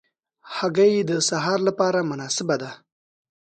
هګۍ د سهار له پاره مناسبه ده.